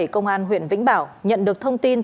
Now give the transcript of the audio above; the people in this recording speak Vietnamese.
công an huyện vĩnh bảo nhận được thông tin